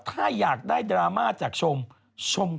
ถ้าอยากได้ดราม่าจากชมชม